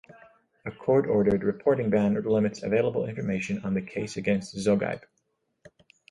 A court-ordered reporting ban limits available information on the case against Zogheib.